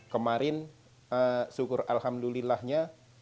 kemarin syukur alhamdulillahnya